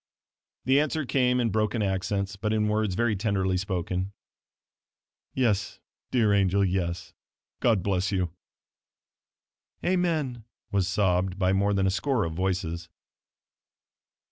The answer came in broken accents but in words very tenderly spoken "Yes, dear angel, yes. God bless you." "Amen!" was sobbed by more than a score of voices.